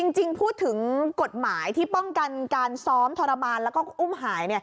จริงพูดถึงกฎหมายที่ป้องกันการซ้อมทรมานแล้วก็อุ้มหาย